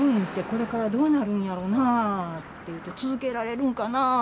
これから、どうなるんやろな？って、続けられるんかな？